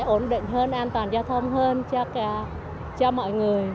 ổn định hơn an toàn giao thông hơn cho mọi người